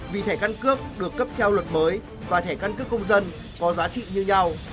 vì thẻ căn cước được cấp theo luật mới và thẻ căn cước công dân có giá trị như nhau